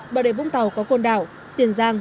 bảo đệ vũng tàu có côn đảo tiền giang